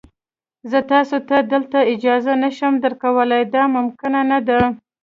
زه تاسي ته دلته اجازه نه شم درکولای، دا ممکنه نه ده.